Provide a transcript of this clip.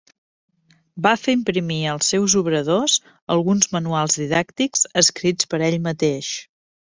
Va fer imprimir als seus obradors alguns manuals didàctics escrits per ell mateix.